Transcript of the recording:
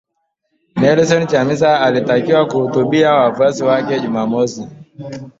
Nelson Chamisa, alitakiwa kuhutubia wafuasi wake Jumamosi.